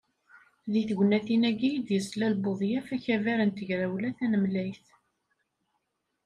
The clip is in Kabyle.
Deg tegnatin-agi i d-yeslal Buḍyaf akabar n Tegrawla Tanemlayt.